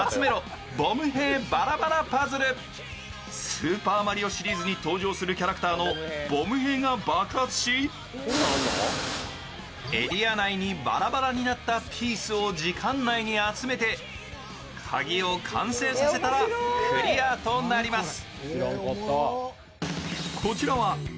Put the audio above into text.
「スーパーマリオ」シリーズに登場するキャラクターのボムへいが爆発しエリア内にばらばらになったピースを時間内に集めて鍵を完成させたらクリアとなります。